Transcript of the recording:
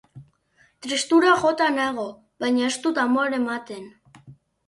Tristurak jota nago, baina ez dut amore ematen.